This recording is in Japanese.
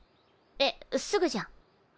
えっすぐじゃん。